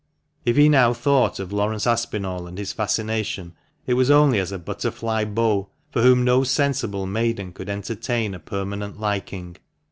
If he now thought of Laurence Aspinall and his fascination, it was only as a butterfly beau, for whom no sensible maiden could entertain a permanent liking.